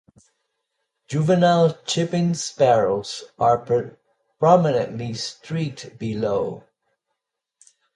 Juvenile chipping sparrows are prominently streaked below.